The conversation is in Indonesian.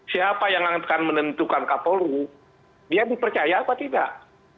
siapa yang akan menentukan kapolri dia dipercaya apa tidak